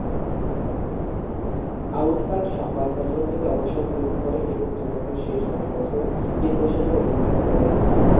Outcault সংবাদপত্র থেকে অবসর গ্রহণ করেন এবং জীবনের শেষ দশ বছর চিত্রশিল্পে অতিবাহিত করেন।